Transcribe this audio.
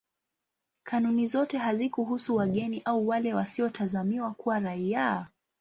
Kanuni zote hazikuhusu wageni au wale wasiotazamiwa kuwa raia.